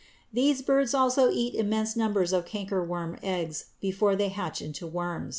These birds also eat immense numbers of cankerworm eggs before they hatch into worms.